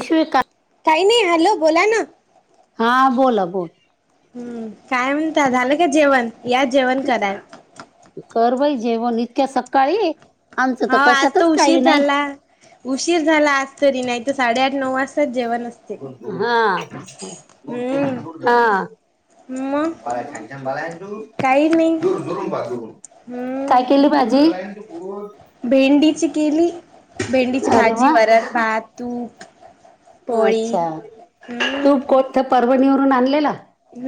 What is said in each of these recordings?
वि का काही नाही हॅलो बोला ना हा बोला बोल. हम्म, काय म्हणता झालं का जेवण? या जेवण कराय. कर बाय जेवण, इतक्या सकाळी? आमचं हाव आज तर कशातच काही उशीर नाही झाला. उशीर झाला आज तरी नाही तर साडेआठ नऊ वाजताच जेवण असत. हा हम्म [inaudible] हा मग तू बाळा छान -छान बराय ना तू? काही नाही दुरून -दुरून बाळा दुरून. काय हम्म केली भाजी? [inaudible] भेंडीची केली, भेंडीची अरे भाजी, वा वरण, भात, तूप. पोळी अच्छा, हम्म. तूप कोणत परभणीवरून आणलेल?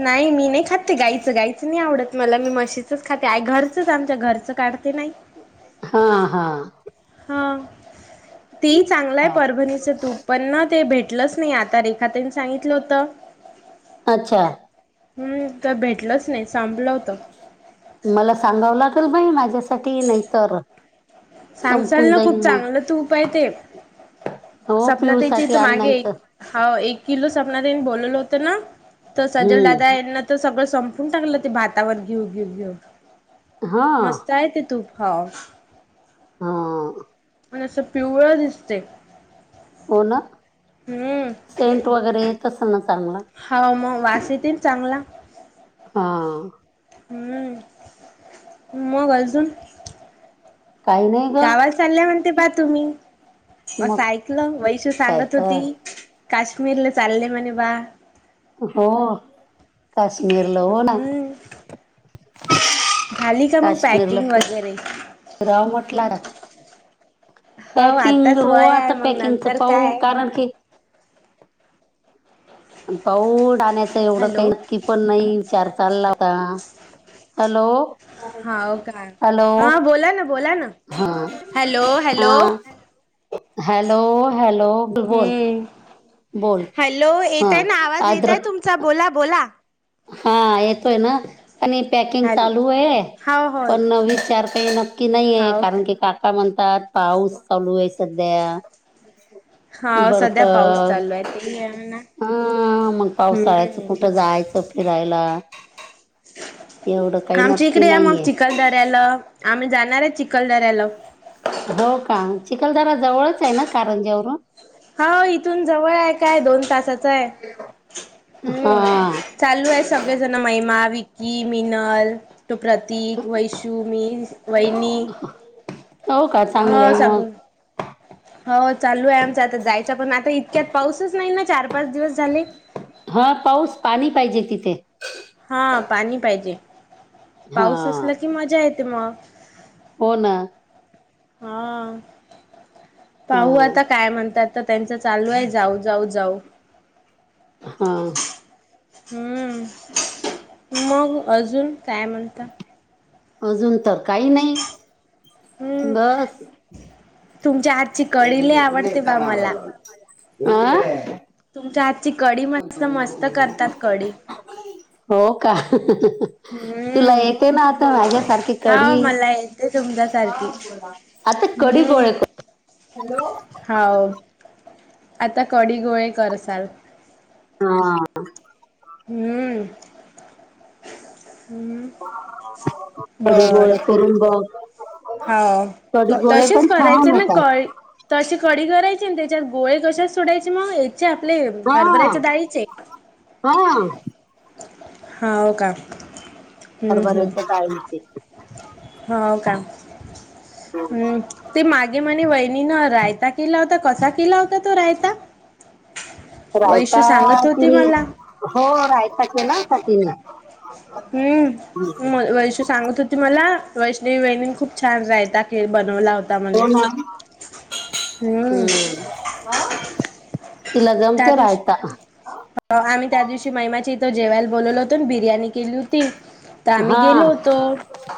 नाही मी नाही खात. ते गायीचं -गायीचं नाही आवडत मला मी म्हशीचच खाते आय- घरचंच आमच्या घरचं काढते ना आई. हा- हा. हा तेही चांगलंय हा परभणीचं तूप. पण ना ते भेटलंच नाही आता रेखा ताईनी सांगितलं होतं. अच्छा. हम्म तर भेटलंच नाही सांपलं होतं. मला सांगावं लागेल बाई माझ्यासा पती नंतर सांगसाल संपून ना जाईल खूप मग. चांगलं तूप आहे ते हो पीहु सपनाताईच्या साठी इथं मागे आणांयचं. एक हाव एक किलो सपना देन बोलवलं होत ना तर सजलदादा हम्म येना तर सगळं संपून टाकलं ते भातावर घेऊ -घेऊ -घेऊ. हा काय ते तूप भाव? हा. पण असं पिवळं दिसतय. हो ना, हम्म. सेंट वगैरे येत असल ना चांगला. हाव मग वास येतय ना चांगला. हा. हम्म मग अजून? [inaudible] काही नाही. ग गावाला चालल्या म्हणते बा तुम्ही मस्त मग ऐकलं वैशु काय सांगत तर होती. काश्मीरला चाल्ले म्हणे बा? हो काश्मीरला हो ना [inaudible] हम्म झाली का मग पॅकिंग वगैरे? [inaudible] राव्ह [unintelligible] म्हटला जात हो पॅकिंग आताच हो, वय आहे आता मग पॅकिंगच नंतर पाहू काय कारण की अन् पाऊड आण्याचं एवढं काही हॅलो नक्की पण नाही विचार चालला होता. हॅलो [inaudible] हाव का हॅलो हा बोला ना बोला ना हा हॅलो [inaudible] हॅलो हा हॅलो -हॅलो ब -बोल हम्म बोल. हॅलो हा येतय ना आवाज येतय अद्रक तुमचा बोला -बोला. हा येतोय ना? आणि पॅकिंग हॅलो चालू आहे हाव होय पण विचार [inaudible] काही नक्की नाही आहे कारण की का का म्हणतात पाऊस चालू आहे सध्या. हाव बर्फ सध्या पाऊस चालू आहे ते आहे ना हा मग पावसाळयाचं हम्म कुठं जायचं फिरायला एवढं काही आमच्या नक्की इकडे या मग नाहीये चिखलदऱ्याला आम्ही जाणार आहे चिखलदऱ्याला हो का चिखलदरा जवळच आहे ना कारंज्यावरून हो इथून जवळ आहे काय दोन तासाच आहे हम्म हा चालू आहे सगळेजण महिमा विक्की मिनल तो प्रतीक वैशू मी वैहिनी हो का चांगलंय मग हो चालू आहे आमच आता जायच पण आता इतक्यात पाऊसच नाही ना चार पाच दिवस झाले हा पाऊस पाणी पाहिजे तिथे हा पाणी पाहिजे हा पाऊस असला की मजा येते मग हो ना हा हा पाहू आता काय म्हणतात तर त्यांच चालू आहे जाऊ जाऊ जाऊ हा हम्म मग अजून काय म्हणता अजून तर काही नाही हम्म बस तुमच्या हातची कडी ले आवडते बा मला आं तुमच्या हातची कडी मस्त मस्त करतात कडी हो का तुला हम्म येते ना आता माझ्यासारखी हा कडी मला येते हा तुमच्यासारखी. बोला आता कडी गोळ हम्म हाव आता कडी गोळे करसाल हा हम्म हम्म सगळे गोळे करून बघ कढी हो गोळे पण तसेच छान करायच ना होतात कळ तशी कडी करायची न त्याच्यात गोळे कशा सोडायचे मग हेचे आपले हा हरभऱ्याच्या डाळीचे हा हाव का हम हम हरभऱ्याच्या डाळीचे हाव का हम् ते मागे म्हणे वहिनीन रायता केला होता कसा केला होता तो रायता वैशू रायता सांगत होती ती मला. हो रायता केला होता तिने हम्म म वैशू सांगत होती ती मला वैष्णवी वहिनी न खूप छान रायता केळ बनवला होता. म्हणे हो ना हम्म हा तिला त्या जमतय दिवशी रायता आम्ही त्या दिवशी महिमाची इथं जेवायला बोलल होतन बिर्याणी केली होती. ता आम्ही हा गेलो होतो.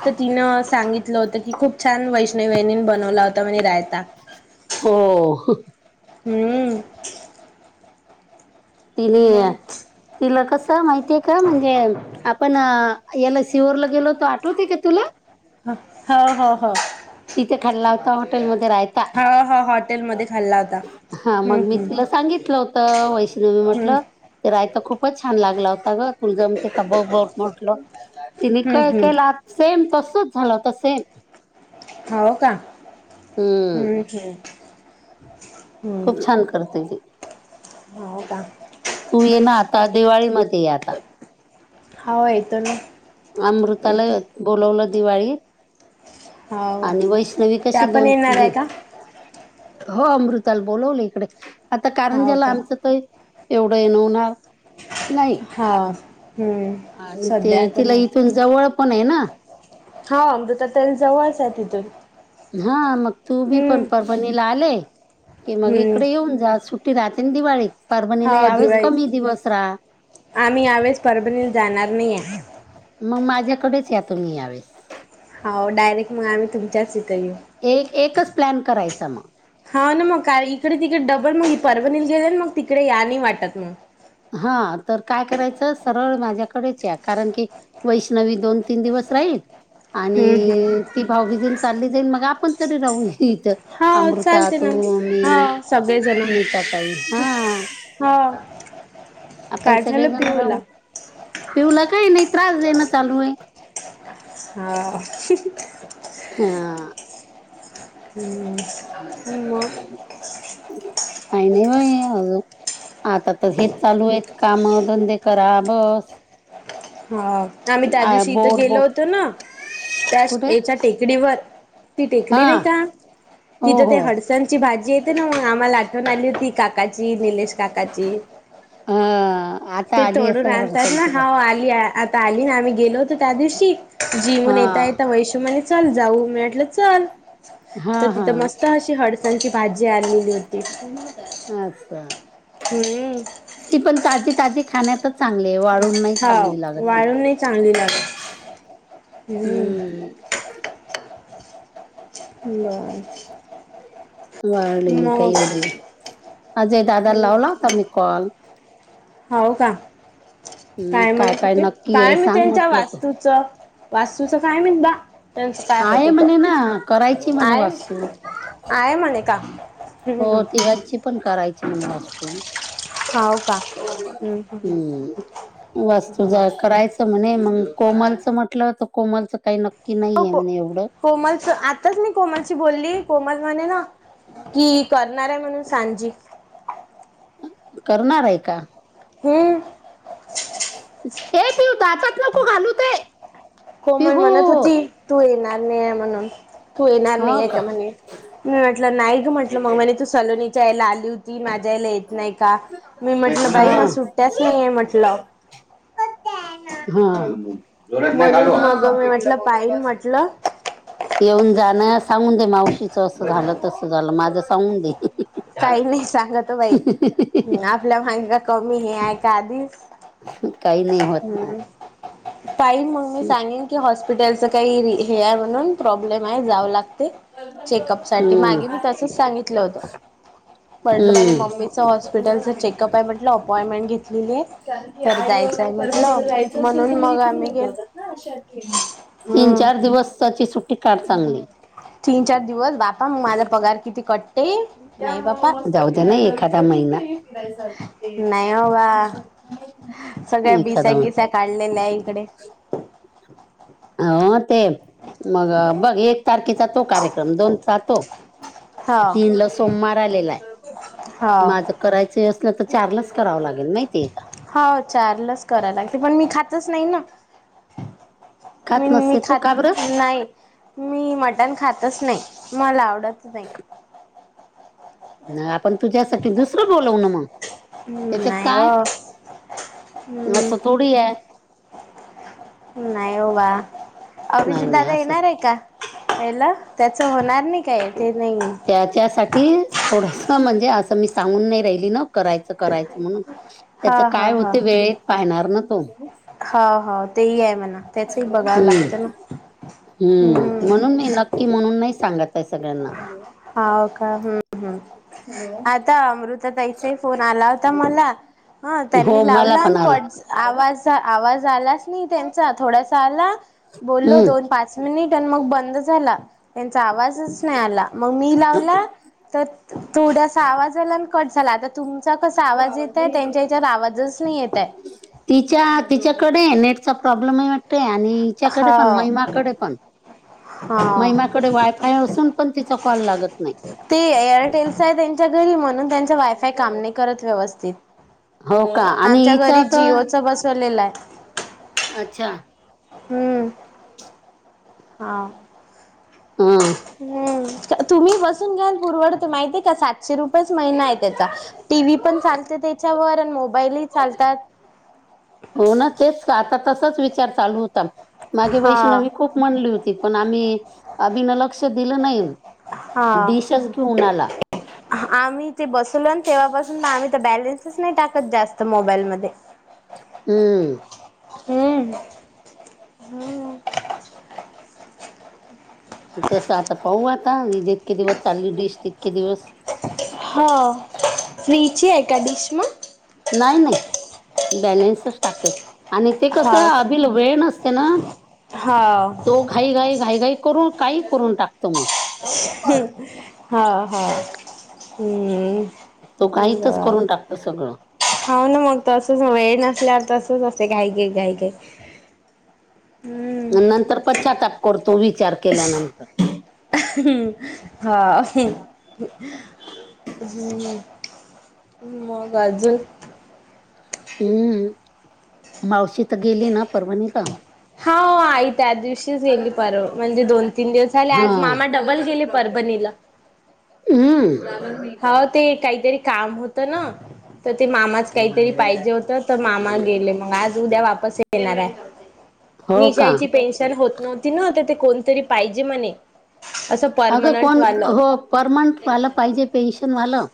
तर तिनं सांगितलं होतं की खूप छान वैष्णवी वैहिनीन बनवला होता म्हण रायता हो हो हम्म तिने मग तिला कस माहितीय का म्हणजे आपण याला शिहरला गेलो तर आठवते का तुला? हो हो हो तिथे खाल्ला होता हॉटेल मध्ये राहता. हो हो हॉटेलमध्ये खाल्ला होता हा मग हम्म मी हम्म तुला सांगितलं होतं वैष्णवी हम्म म्हटलं ते रायता खूपच छान लागला होता ग तुझं ते भोट मोठलं. तिने हम्म काय हम्म केला सेम तसच झालं तर सेम. हो का हम् हम्म खूप छान करते ती. हो का तू ये ना आता दिवाळीमध्येध्ये ये आता. हो येतो ना. अमृताला येत बोलवलं दिवाळीत हो का आणि वैष्णवी त्या कशी पण दोन येणार आहे देव का हो अमृताल बोलवलं इकडे आता कारण हो ज्याला का आमचं तरय एवढं ये नवणार हा आणि ते सध्या आता तिला नाही इथून जवळ पण आहे ना. हा अमृता ताई जवळच आहे तिथून. हा मग तुम्ही हम्म पण परवाणीला आले की मग हम्म इकडे येऊन जा सुट ते राहते आणि दिवाळीत परभणीला हो यावेेळेस दिवाळी कमी दिवस राहा. आम्ही यावेळेस परभणीत जाणार नाही आहे. मग माझ्याकडेच या तुम्ही यावेळेस. हो डयरेक्ट मग आम्ही तुमच्याच इथ येऊ. एक एकच प्लॅन करायचा मग. हा ना मग काय इकडे तिकडे डबल मग परणी गेले मग तिकडे या नाही वाटत मग. हा तर काय करायचं सरळ माझ्याकडेच आहे कारण की वैष्णवी दोन तीन दिवस राहील. हम्म आणि हम्म ती भाऊ बीजल चालली जाईल मग आपण तरी राहू इथं. हा अमृता चालते तु ना ममी हा सगळेजण नीता काई हा हा आपण काय झालं सगळेजण पियूला? राहू पिऊला काही नाही त्रास देणं चालू आहे. हो हा [unintelligible] मग काय नाही बा आज आता तर हेच चालू आहेत काम धंदे करा बस हा आम्ही त्या आ, दिवशी इथं बोर गेलो बोर होतो ना त्या कुठे याच्या टेकडीवर ती टेकडी हा नाही का हो तिथं ते हो हड ची भाजी येते ना मग आम्हाला आठवण आली होती काका निलाश काका ची, हा आता ते आली तोंडुन असेल आणतात ना हरसांची बाई आता आली ना आम्ही गेलोतो त्या दिवशी जीवून हा येेतयेत वैष् म्हण चल जाऊ मिटलं च हा तर हा तिथं मस्त हडसणची भाजी आणलेली होती. अच्छा ह् [inaudible] ती पण ताजी ताजी खाण्यातच चांगली आहे वाळून नाही हाव चांगली लागत ती वाळून नाही चांगली लागत. हम्म. बर. वाळलेली काही मग एवढे, अजय दादाला हम्म लावला होता मी कॉल. हाव का? हम्म, काय म्हणत होते नक्की काय आहे म सांग त्यांच्या म्हटलं तू वास्तूच. वास्तुचं काय म्हणदा. आहे म्हणे ना. करायचीय म्हणे आहे वास्तू. आहे म्हणे का हम्म, हम्म. हो तिघची पण करायची म्हणे वास्तू. हम्म वास्तू ज हा. करायच म्हणे. मग कोमालचं म्हटलं तर कोमालच काही नक्की हो नाहीये को म्हणे एवढं. कोमलच आताच मी कोमलशी बोलली. कोमल म्हणे ना की करणारे म्हणून सांजी. करणारे का? हम्म. ये पिऊ दातात नको घालू ते. कोमल पिहू म्हणत होती. तू येणार नाहीय म्हणूनृ तू येणार नाहीय का म्हणे. मी म्हटलं नाही ग म्हटलं. मग म्हणे तू सलोनीच्या यायला आली होती. माझ्या यायला येत नाही का? मी म्हटलं बाई, मला सुट्ट्याच नाहीये म्हटलं. ह. [unintelligible] म्हणून मग मी म्हटलं पाहिन म्हटलं येऊन जाणं. सागून दे मावशीच असं झालं तस झालं. माझं सांगून दे. काही नाही सांगत ओ बाई. आपल्या माग का कमी हे आहे का आधीच. काही नाही होत ना. हम्म पाहिन मग मी सांगेन. की हॉस्पिटलचं काही र हे आहे म्हणून. प्रॉब्लेम आहे जावं लागते. चेकअप साठी. हम्म मागे मी तसच सांगितलं होतं. म्हटलं माझ्या हम्म मम्मीचं हॉस्पिटलचं चेकअप आहे म्हटलं. अपॉइंटमेंट घेतलेलीये. कारण की आई वगरे परमनीला जायचं असेल त म्हणून म मग इकडून च आम्ही गेल जातात ना. अशा ट्रेननी. तीन हम्म चार दिवसाची सुट्टी काड चांगली. तीन चार दिवस बापा. मग माझा पगार किती कट्टते. जाऊद्या ना एखादा महिना. हा सगळ्या बिस्या एखादा गिस्या महिना काढलेल्याय इकडे. अ ते मग बघ एक तारखेचा तो कार्यक्रम दोन चा तो. हा तीन ला सोमवार आलेल्या. म हा आता करायचय असल तर चारलाच करावं लागेल माहितीय का? हाव चार लाच करायला लागते. पण मी खातच नाही ना. मी खात मी नसते तू खात का बरं नाही. मी मटण खातच नाही. मला आवडत नाही. नाही आपण तुझ्यासाठी दुसरं बोलवून म. हम्म त्याच्यात नाही हो काय? असं हम्म थोडीये. नाही हो बा. नाही अभीजीत नाही दादा असं येणारे का? पेल त्याच होणार नाही काय ते नाही. त्याच्यासाठी थोडंसं म्हणजे असं मी सांगून नाही राहिली ना. करायचं करायचं म्हणून. त्याच हा हा काय होत वेळेत पाहणार ना तो हा हा तेही आहे म्हणा त्याचही बघावं हम्म लागतं ना हम् हम्म म्हणून नाही नक्की म्हणून नाही सांगत आहे सगळ्यांना हा का हम् हम् आता अमृता ताईचा फोन आला होता मला हा हो त्यांनी मला लावला आणि पण आला क आवाज आवाज आलाच नाही त्यांचा थोडासा आला बोललो हम्म दोन पाच मिनिट आणि मग बंद झाला त्यांचा आवाजच नाही आला मग मी अ, लावला तर थोडासा आवाज आला आणि कट झाला आता तुमचा कसा आवाज येतय त्यांच्या आवाजच नाही येत तिच्या तिच्याकडे नेटचा प्रॉब्लेम आहे वाटत आणि त्याच्याकडे पण हो महिमाकडे पण हा महिमाकडे वायफाय असून पण तिचा कॉल लागत नाही ते एअरटेलस आहे त्यांच्या घरी म्हणून त्यांच वायफाय काम नाही करत व्यवस्थित हो का आणि आमच्या हिचा घरी तर जिओच बसवलेलं आहे अच्छा हम्म हा हं. हम् तुम्ही बसून घ्याल बुरवडत माहितीय का सातशे रुपयेच महिना आहे त्याचा टी व्ही पण चालते त्याच्यावर आणि मोबाईल पण चालतात. हो ना तेच आता तसाच विचार चालू होता मागे हा वैष्णवी खूप म्हणली होती पण आम्ही अभिन लक्ष दिलं नाही. हा डिशच घेऊन आला. आम्ही ते बसवलो आहे न तेव्हापासून आम्ही त बॅलेन्सच नाही टाकत जास्त मोबाईलमध्ये. हमं हम्म तसं आता पाहू आता जितके दिवस चालली डिश तितके दिवस हा फ्रीची एका डिश म नाही नाही बॅलेन्सच टाकते आणि ते कसं हाव का अबिल वेळ नसते ना हाव तो घाई घाई घाई घाई करून काही करून टाकतो मग हम्म हाव हाव हम्म तो काहीतच बर करून टाकतो सगळं. हाव न मग तसच वेळ नसल्या वर तसंच असते घाईघाई. नंतर पश्चाताप करतो विचार केल्यानंतर. हा हम्म हम्म मंग अजून हम्म मावशी तर गेली ना परभणील. हाव आई त्या दिवशीच गेली पर म्हणजे दोन तीन दिवस झाले हा आज मामा डबल गेले परभणील. हम्म हाव ते काहीतरी काम होतं न त ते मामाच काहीतरी पाहिजे होत त मामा गेले मग आज उद्या वापस येणार आहे. हो निशा का आईची पेन्शन होत नव्हती न ते कोणतरी पाहिजे म्हणे. असं अगं परमनंट कोण वालं हो परमट वाल पाहिजे पेन्शन वालं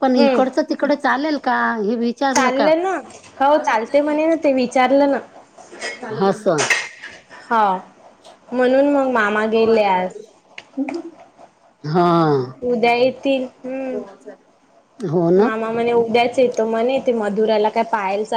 पण इकडच तिकड चालेल का? हे विच चालं न हो चालते म्हणे न ते विचारलं ना. हस. हा. म्हणून मग मामा गेले आज हा. उद्या येतील हम्म हो ना मामा म्हणे उद्याच येती तो म्हणे ते मधुराला काय पायल चा